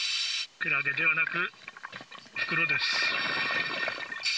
クラゲではなく、袋です。